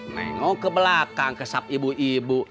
nengok ke belakang kesab ibu ibu